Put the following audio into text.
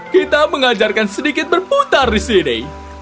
kita mengajarkan sedikit berputar di sini